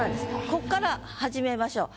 こっから始めましょう。